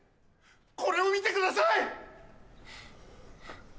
これを見てください！